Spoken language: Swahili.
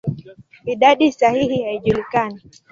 Idadi sahihi haijulikani.